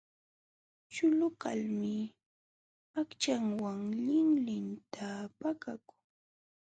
Chulu kalmi aqchanwan linlinta pakakun.